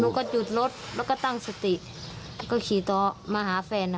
มนุษย์ก็จุดรถแล้วก็ตั้งสติก็ขี่ตะมาหาแฟน